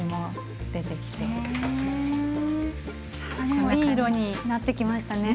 でもいい色になってきましたね。